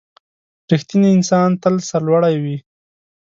• رښتینی انسان تل سرلوړی وي.